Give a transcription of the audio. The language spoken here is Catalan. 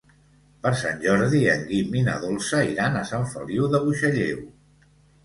Per Sant Jordi en Guim i na Dolça iran a Sant Feliu de Buixalleu.